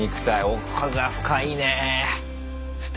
奥が深いねえ。